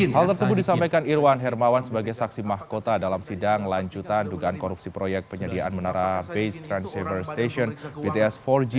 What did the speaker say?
hal tersebut disampaikan irwan hermawan sebagai saksi mahkota dalam sidang lanjutan dugaan korupsi proyek penyediaan menara base transceiver station bts empat g